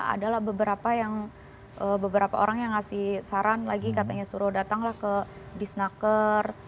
ada lah beberapa yang beberapa orang yang ngasih saran lagi katanya suruh datang lah ke disnaker